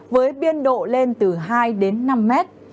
với biên độ lên từ hai đến năm mét